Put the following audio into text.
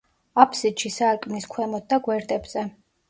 აფსიდში, სარკმლის ქვემოთ და გვერდებზე.